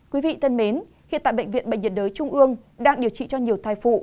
quý vị thân mến hiện tại bệnh viện bệnh nhiệt đới trung ương đang điều trị cho nhiều thai phụ